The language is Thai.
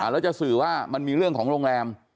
แล้วจะสื่อว่ามันมีเรื่องของโรงแรม